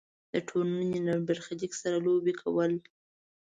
د ټولنې له برخلیک سره لوبې کول.